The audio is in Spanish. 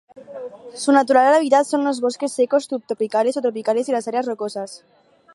Su natural hábitat son los bosques secos subtropicales o tropicales y las áreas rocosas.